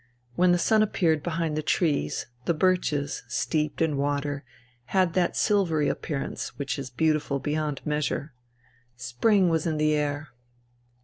When the sun appeared behind the trees the birches, steeped in water, had that silvery appearance which is beautiful beyond measure. Spring was in the air.